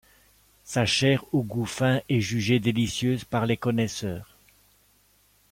Sa chair au goût fin est jugée délicieuse par les connaisseurs.